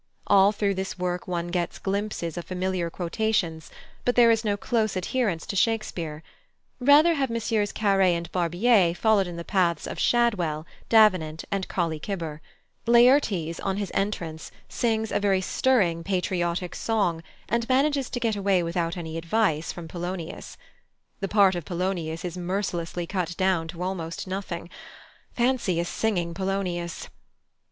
All through this work one gets glimpses of familiar quotations, but there is no close adherence to Shakespeare; rather have MM. Carré and Barbier followed in the paths of Shadwell, Davenant, and Colley Cibber. Laertes, on his entrance, sings a very stirring patriotic song, and manages to get away without any advice from Polonius. The part of Polonius is mercilessly cut down to almost nothing. Fancy a singing Polonius!